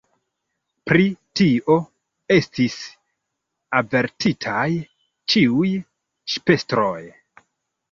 Pri tio estis avertitaj ĉiuj ŝipestroj.